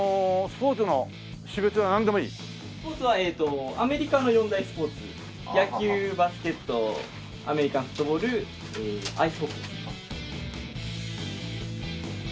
スポーツはアメリカの四大スポーツ野球バスケットアメリカンフットボールアイスホッケーです。